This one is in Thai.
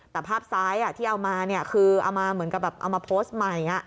แต่ภาพซ้ายที่เอามาคือเอามาโพสต์ใหม่